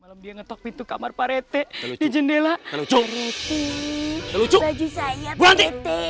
malam dia ngetok pintu kamar parete di jendela lucu lucu